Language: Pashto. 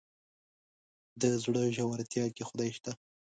د زړه ژورتيا کې خدای شته.